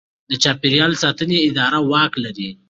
د چاپیریال ساتنې اداره واک لري؟